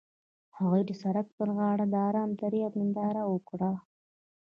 هغوی د سړک پر غاړه د آرام دریاب ننداره وکړه.